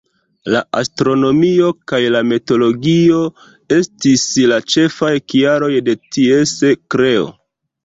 La astronomio kaj la meteologio estis la ĉefaj kialoj de ties kreo.